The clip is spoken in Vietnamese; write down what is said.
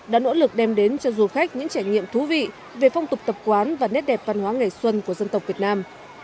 đã nỗ lực đem đến cho du khách những trải nghiệm thú vị về phong tục tập quán và nét đẹp văn hóa ngày xuân của dân tộc việt nam